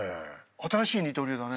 新しい二刀流だね。